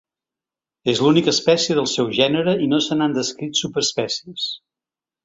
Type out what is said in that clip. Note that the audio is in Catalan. És l'única espècie del seu gènere, i no se n'han descrit subespècies.